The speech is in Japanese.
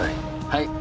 はい。